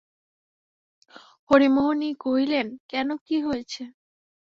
হরিমোহিনী কহিলেন, কেন, কী হয়েছে?